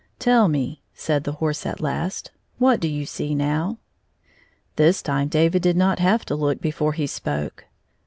" Tell me," said the horse at last, " what do you see now ?" This time David did not have to look before he spoke.